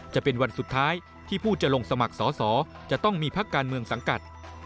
จะเป็นวันสุดท้ายที่ผู้จะลงสมัครสอสอจะต้องมีพักการเมืองสังกัด